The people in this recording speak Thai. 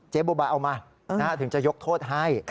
เจ๊บัวบาลเอามาถึงจะยกโทษให้